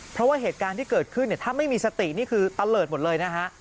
เพราะว่าเหตุการณ์ที่เกิดขึ้นเนี่ยถ้าไม่มีสตินี่คือตะเลิศหมดเลยนะฮะ